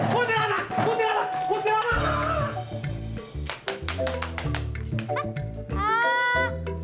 kutila lah kutila lah